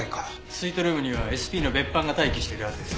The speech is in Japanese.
スイートルームにはＳＰの別班が待機しているはずです。